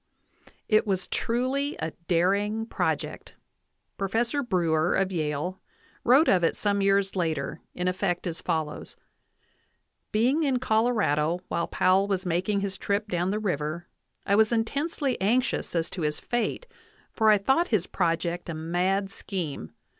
It was truly a daring project. Professor Brewer, of Yale, wrote of it some years later* in effect as follows: Being in Colorado while Powell was making his trip down the river, I was intensely anxious as to his fate, for I thought his project a mad scheme.